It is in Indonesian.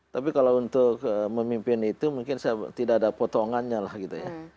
tapi kalau untuk memimpin itu mungkin tidak ada potongannya lah gitu ya